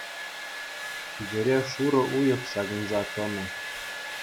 Тӳпере шурӑ уйӑх ҫакӑнса тӑнӑ.